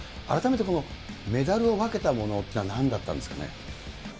改めてこのメダルを分けたものっていうのはなんだったんですかね。